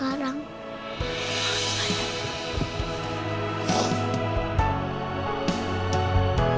ambil yang balik leur